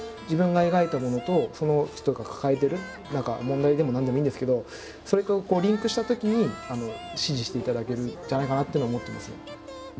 自分が描いたものとその人が抱えてる何か問題でも何でもいいんですけどそれとリンクしたときに支持していただけるんじゃないかなっていうのは思ってますね。